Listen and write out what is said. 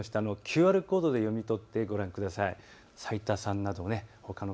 画面下のＱＲコードで読み取ってご覧ください。